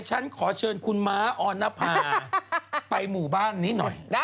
ฉันขอเชิญคุณม้าออนภาไปหมู่บ้านนี้หน่อย